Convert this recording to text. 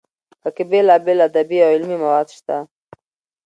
پکې بېلابېل ادبي او علمي مواد شته.